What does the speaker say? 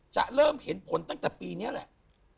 จะเริ่มเห็นผลตั้งแต่ปีนี้แหละ